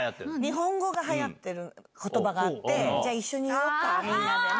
日本語が、はやっていることばがあって、じゃあ一緒に言おうか、みんなでね。